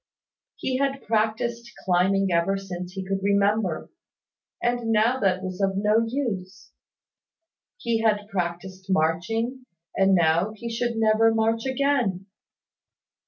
He had practised climbing ever since he could remember; and now that was of no use; he had practised marching, and now he should never march again.